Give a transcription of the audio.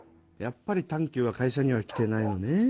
やっぱりＴａｎ−Ｑは会社には来てないのね。